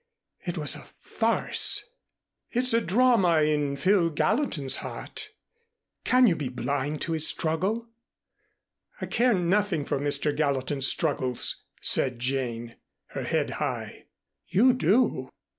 "It was a farce " "It's a drama in Phil Gallatin's heart. Can you be blind to his struggle?" "I care nothing for Mr. Gallatin's struggles," said Jane, her head high. "You do.